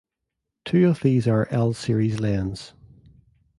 Two of these are L series lens.